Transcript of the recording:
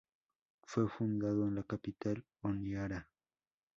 Fue fundado en la capital Honiara.